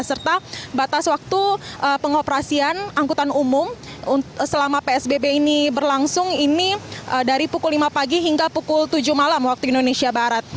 serta batas waktu pengoperasian angkutan umum selama psbb ini berlangsung ini dari pukul lima pagi hingga pukul tujuh malam waktu indonesia barat